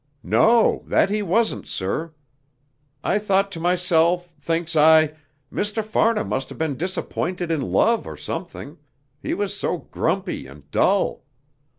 "No, that he wasn't, sir. I thought to myself, thinks I, 'Mr. Farnham must have been disappointed in love or something,' he was so grumpy and dull.